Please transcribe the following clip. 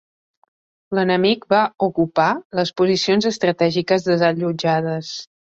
L'enemic va ocupar les posicions estratègiques desallotjades.